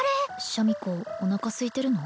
シャミ子おなかすいてるの？